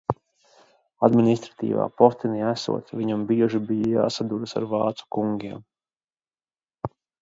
Administratīvā postenī esot, viņam bieži bija jāsaduras ar vācu kungiem.